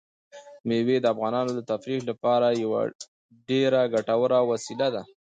مېوې د افغانانو د تفریح لپاره یوه ډېره ګټوره وسیله ده.